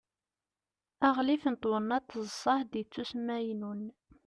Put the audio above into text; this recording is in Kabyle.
aɣlif n twennaḍt d ṣṣehd ittusmaynun